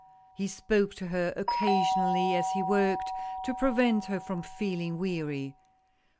He spoke to her occasionally as he worked, to prevent her from feeling weary.